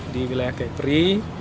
di wilayah kepri